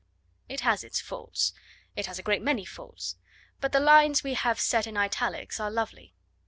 It has its faults. It has a great many faults. But the lines we have set in italics are lovely.